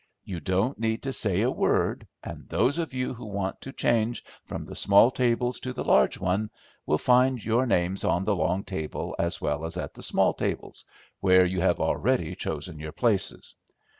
You don't need to say a word, and those of you who want to change from the small tables to the large one, will find your names on the long table as well as at the small tables, where you have already chosen your places.